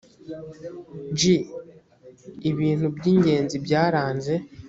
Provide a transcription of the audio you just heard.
g ibintu by ingenzi byaranze